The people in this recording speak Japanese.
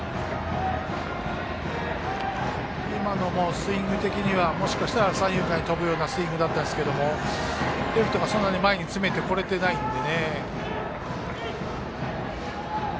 今のも、スイング的にはもしかして三遊間に飛ぶようなスイングだったんですけどレフトがそんなに前に詰めてこれていないので。